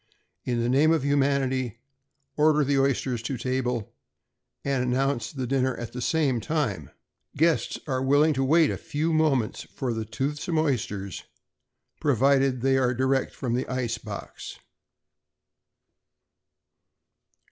In the name of humanity, order the oysters to table and announce the dinner at the same time. Guests are willing to wait a few moments for toothsome oysters, provided they are direct from the ice box.